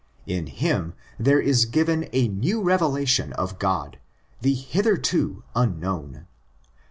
In him there is given a new revelation of God, the hitherto unknown.